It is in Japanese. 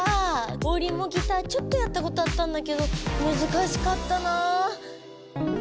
オウリンもギターちょっとやったことあったんだけどむずかしかったな。